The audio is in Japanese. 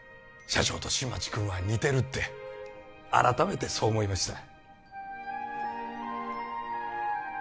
社長と新町君は似てるって改めてそう思いました